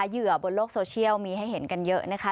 เหยื่อบนโลกโซเชียลมีให้เห็นกันเยอะนะคะ